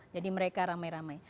jadi mereka ramai ramai